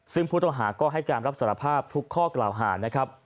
ซึ่งพุทธอาหารก็ให้การรับสารภาพทุกข้อกล่าวหา